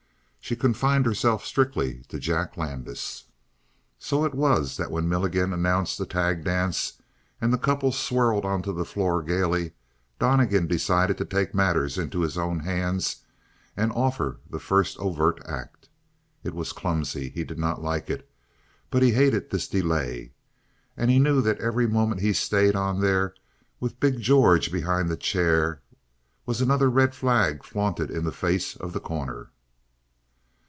She confined herself strictly to Jack Landis. So it was that when Milligan announced a tag dance and the couples swirled onto the floor gayly, Donnegan decided to take matters into his own hands and offer the first overt act. It was clumsy; he did not like it; but he hated this delay. And he knew that every moment he stayed on there with big George behind his chair was another red rag flaunted in the face of The Corner.